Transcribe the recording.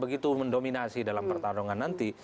begitu mendominasi dalam pertarungan nanti